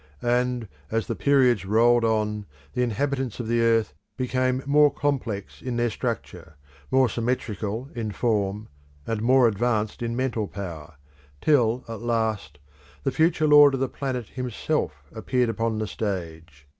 And as the periods rolled on, the inhabitants of the earth became more complex in their structure, more symmetrical in form, and more advanced in mental power, till at last the future lord of the planet himself appeared upon the stage.